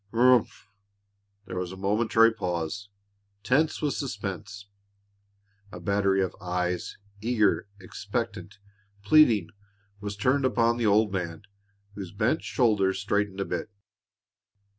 "Humph!" There was a momentary pause, tense with suspense. A battery of eyes, eager, expectant, pleading, was turned upon the old man, whose bent shoulders straightened a bit.